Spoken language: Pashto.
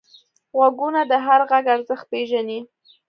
غوږونه د هر غږ ارزښت پېژني